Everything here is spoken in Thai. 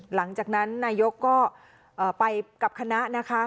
หลังจากนั้นนายกก็ไปกับคณะนะคะ